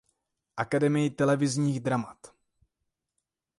Akademii televizních dramat.